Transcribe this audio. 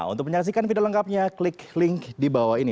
untuk menyaksikan video lengkapnya klik link di bawah ini